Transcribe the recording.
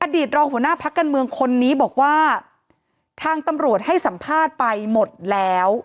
ตรองหัวหน้าพักการเมืองคนนี้บอกว่าทางตำรวจให้สัมภาษณ์ไปหมดแล้ว